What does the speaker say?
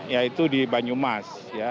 yaitu di banyumas ya